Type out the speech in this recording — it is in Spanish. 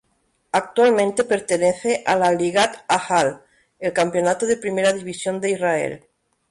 Actualmente pertenece a la Ligat ha'Al, el campeonato de Primera División de Israel.